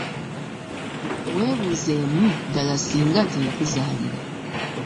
Weebuzeemu ddala ssinga teyakuzaalira.